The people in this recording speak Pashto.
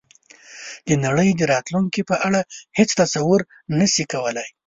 د نړۍ د راتلونکې په اړه هېڅ تصور نه شي کولای.